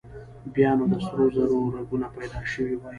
بيا نو د سرو زرو رګونه پيدا شوي وای.